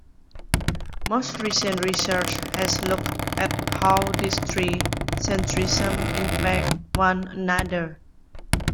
Most recent research has looked at how these three centrisms impact one another.